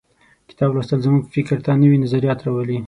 کتاب لوستل زموږ فکر ته نوي نظریات راولي.